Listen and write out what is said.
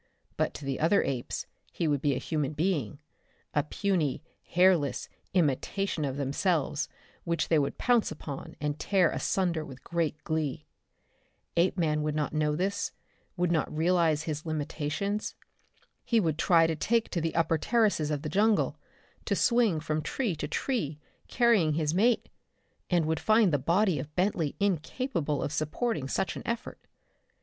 But to the other apes he would be a human being, a puny hairless imitation of themselves which they would pounce upon and tear asunder with great glee. Apeman would not know this: would not realize his limitations. He would try to take to the upper terraces of the jungle, to swing from tree to tree, carrying his mate and would find the body of Bentley incapable of supporting such an effort.